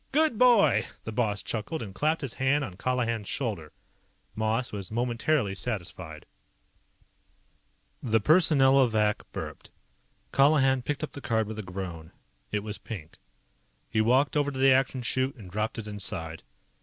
"Good boy!" The boss chuckled and clapped his hand on Colihan's shoulder. Moss was momentarily satisfied. The Personnelovac burped. Colihan picked up the card with a groan. It was pink. He walked over to the Action Chute and dropped it inside.